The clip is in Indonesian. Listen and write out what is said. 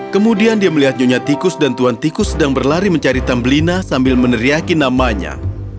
kemudian dia melihat nyonya tikus dan tuan tikus sedang berlari mencari tambelina sambil meneriaki namanya